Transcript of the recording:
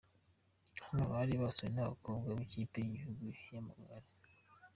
Hano bari basuwe n'abakobwa b'ikipe y'igihugu y'amagare.